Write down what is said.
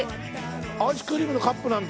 アイスクリームのカップなんだ。